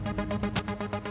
gak mungkin lo gak tau